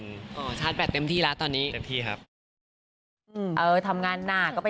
กำลังเย็น